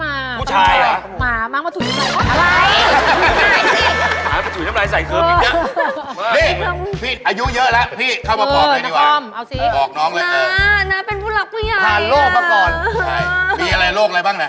เบาหวานความดานสายตาสั้นเยอะ